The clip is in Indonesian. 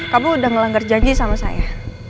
kamu udah ngelanggar janji sama saya